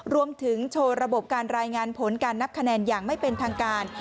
รวมถึงโชว์ระบบการรายงานผลการนับคะแนนอย่างไม่เป็นทางการ